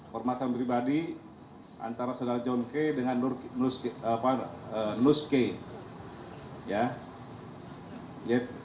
permasalahan pribadi antara senjata john kay dengan nus kay